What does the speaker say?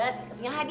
aku punya hadiah